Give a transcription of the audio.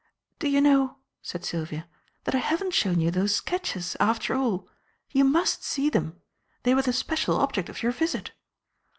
"Do you know," said Sylvia, "that I haven't shown you those sketches, after all. You must see them. They were the special object of your visit."